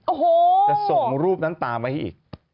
โอ้โหจะส่งรูปนั้นตามมาให้อีก